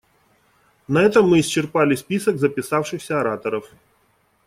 На этом мы исчерпали список записавшихся ораторов.